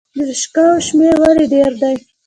د ریکشاوو شمیر ولې ډیر دی؟